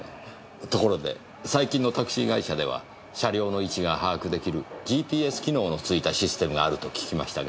ところで最近のタクシー会社では車両の位置が把握できるＧＰＳ機能の付いたシステムがあると聞きましたが。